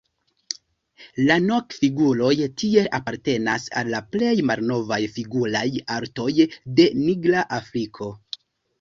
La Nok-figuroj tiel apartenas al la plej malnovaj figuraj artoj de Nigra Afriko.